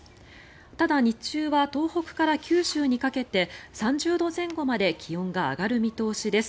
ただ日中は東北から九州にかけて３０度前後まで気温が上がる見通しです。